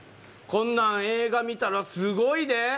こんなん映画見たらすごいで！